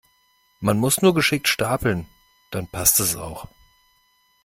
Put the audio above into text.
Man muss nur geschickt Stapeln, dann passt es auch.